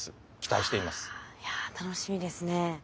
いや楽しみですね。